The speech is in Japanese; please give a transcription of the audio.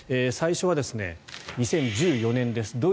最初は２０１４年です。